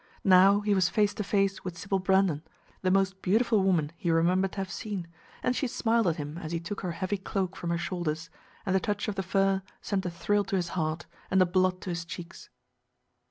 Now he was face to face with Sybil Brandon, the most beautiful woman he remembered to have seen, and she smiled at him as he took her heavy cloak from her shoulders, and the touch of the fur sent a thrill to his heart, and the blood to his cheeks.